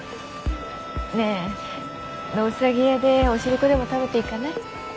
ねぇのうさぎやでお汁粉でも食べていかない？